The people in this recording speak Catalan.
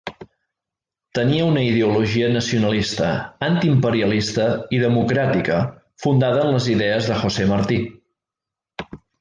Tenia una ideologia nacionalista, antiimperialista i democràtica fundada en les idees de José Martí.